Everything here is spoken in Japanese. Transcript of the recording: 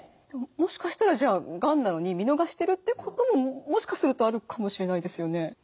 もしかしたらじゃあがんなのに見逃してるってことももしかするとあるかもしれないですよね。